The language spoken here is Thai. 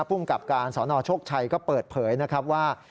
ภูมิกับการสนโชคชัยก็เปิดเผยนะครับว่า